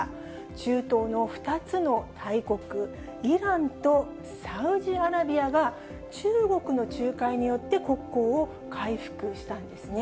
中東の２つの大国、イランとサウジアラビアが、中国の仲介によって国交を回復したんですね。